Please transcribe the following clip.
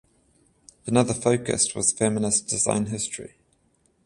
Another focus was feminist design history.